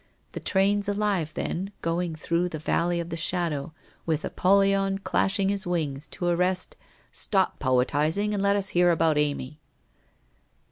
The train's alive, then, going through the valley of the Shadow, with Apollyon clashing his wings, to arrest '' Stop poetizing, and let us hear about Amy.'